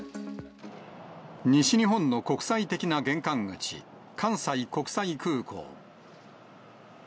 西日本の国際的な玄関口、関西国際空港。